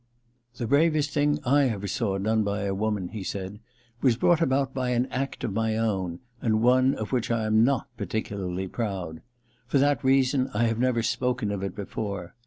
*The bravest thing I ever saw done by a woman/ he said, * was brought about by an act of my own — and one of which I am not parti cularly proud. For that reason I have never spoken of it before.